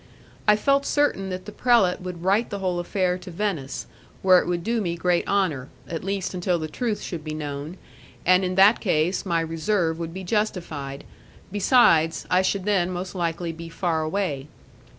I felt certain that the prelate would write the whole affair to Venice, where it would do me great honour, at least until the truth should be known, and in that case my reserve would be justified, besides, I should then most likely be far away.